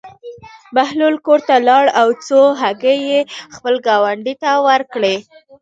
بهلول کور ته لاړ او څو هګۍ یې خپل ګاونډي ته ورکړې.